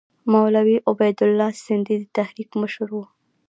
مولوي عبیدالله سندي د تحریک مشر وو.